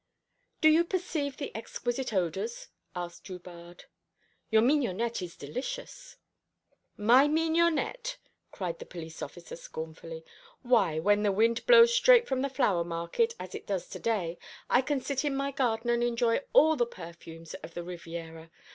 "Do you perceive the exquisite odours?" asked Drubarde. "Your mignonette is delicious." "My mignonette!" cried the police officer scornfully. "Why, when the wind blows straight from the flower market, as it does to day, I can sit in my garden and enjoy all the perfumes of the Riviera.